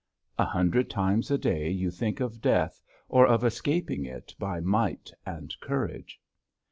A hundred times a day you think of death or of escaping it by might and courage.